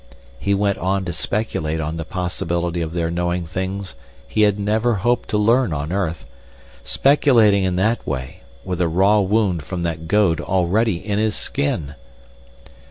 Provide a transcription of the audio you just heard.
He went on to speculate on the possibility of their knowing things he had never hoped to learn on earth, speculating in that way, with a raw wound from that goad already in his skin!